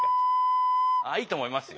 いいと思いますよ。